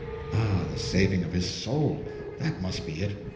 Ah the saving of his soul! That must be it.